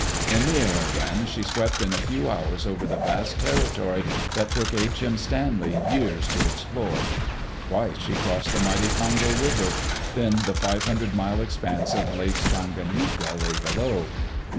In the air again, she swept in a few hours over the vast territory that took H. M. Stanley years to explore. Twice she crossed the mighty Congo River. Then the five hundred mile expanse of Lake Tanganyika lay below.